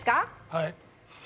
はい。